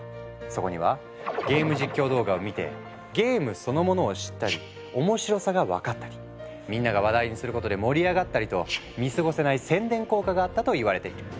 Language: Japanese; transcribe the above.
そこにはゲーム実況動画を見てゲームそのものを知ったり面白さが分かったりみんなが話題にすることで盛り上がったりと見過ごせない宣伝効果があったといわれている。